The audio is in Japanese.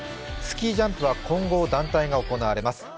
スキージャンプは混合団体が行われます。